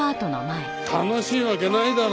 楽しいわけないだろ！